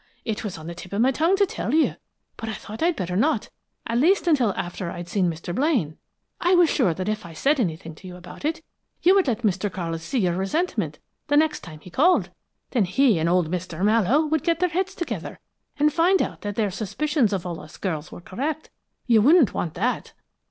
It was on the tip of my tongue to tell you, but I thought I'd better not, at least until I had seen Mr. Blaine. I was sure that if I said anything to you about it, you would let Mr. Carlis see your resentment the next time he called, and then he and Old Mr. Mallowe would get their heads together, and find out that their suspicions of all of us girls were correct. You wouldn't want that."